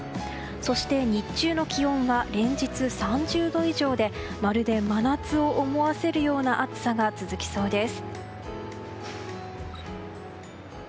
そして、日中の気温は連日３０度以上でまるで真夏を思わせるような暑さが続きそうです。